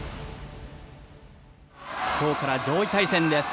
今日から上位対戦です。